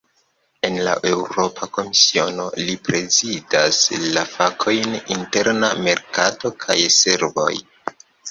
En la Eŭropa Komisiono, li prezidas la fakojn "interna merkato kaj servoj".